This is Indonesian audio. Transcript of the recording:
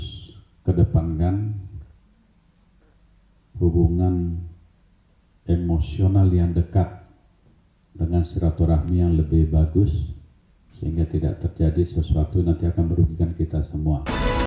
kita harus kedepankan hubungan emosional yang dekat dengan silaturahmi yang lebih bagus sehingga tidak terjadi sesuatu yang nanti akan merugikan kita semua